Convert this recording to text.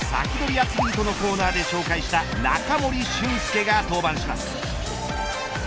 アツリートのコーナーで紹介した中森俊介が登板します。